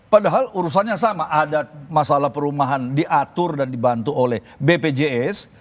padahal urusannya sama ada masalah perumahan diatur dan dibantu oleh bpjs